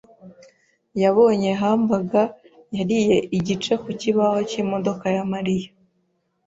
yabonye hamburger yariye igice ku kibaho cy'imodoka ya Mariya.